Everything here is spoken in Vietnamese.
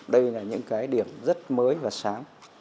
đây là những cái điểm rất mới và sáng